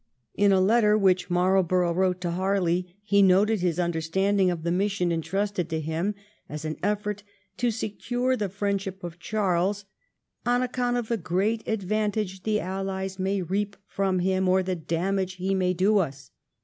In a letter which Marlborough wrote to flarley, he noted his understanding of the mission entrusted to him as an effort to secure the friendship of Charles, ' on account of the great advantage the 1707 SWEDISH CHARLES AND MARLBOROUGH. 5 Allies may reap from him, or the damage he may do us.'